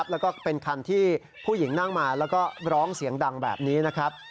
แล้วก็เป็นคันที่ผู้หญิงนั่งมาแล้วก็ร้องเสียงดังแบบนี้นะครับ